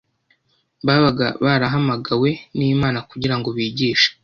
babaga barahamagawe n’Imana kugira ngo bigishe